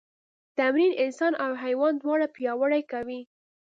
تمرین انسان او حیوان دواړه پیاوړي کوي.